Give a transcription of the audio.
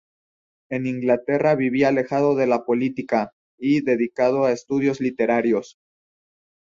En Inglaterra vivía alejado de la política, y dedicado a estudios literarios.